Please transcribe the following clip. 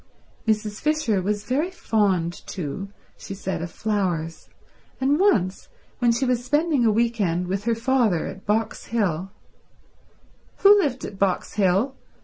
Mrs. Fisher was very fond, too, she said, of flowers, and once when she was spending a week end with her father at Box Hill— "Who lived at Box Hill?"